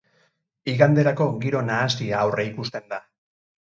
Iganderako giro nahasia aurreikusten da.